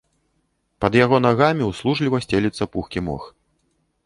Пад яго нагамі ўслужліва сцелецца пухкі мох.